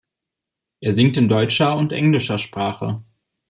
Er singt in deutscher und englischer Sprache.